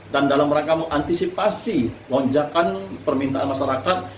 dan dalam rangka mengantisipasi lonjakan permintaan masyarakat